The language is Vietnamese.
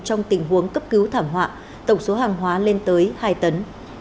trong tình huống cấp cứu thảm họa tổng số hàng hóa lên tới hai tấn